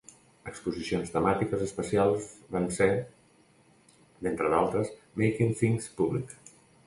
Exposicions temàtiques especials van ser, d'entre altres, "Making Things Public.